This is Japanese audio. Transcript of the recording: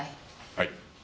はい。